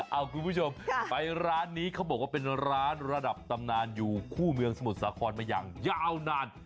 เอาคุณผู้ชมไปร้านนี้เขาบอกว่าเป็นร้านระดับตำนานอยู่คู่เมืองสมุทรสาครมาอย่างยาวนาน